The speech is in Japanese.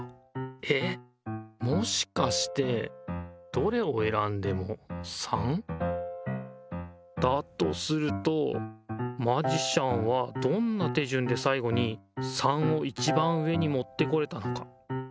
えっもしかしてどれをえらんでも３？だとするとマジシャンはどんな手順でさいごに３をいちばん上にもってこれたのか。